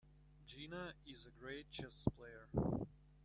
Gina is a great chess player.